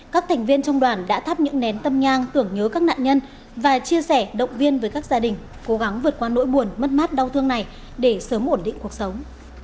các thành viên trong đoàn đã thắp những nén tâm nhang tưởng nhớ các nạn nhân và chia sẻ động viên với các gia đình cố gắng vượt qua nỗi buồn mất mát đau thương này để sớm ổn định cuộc sống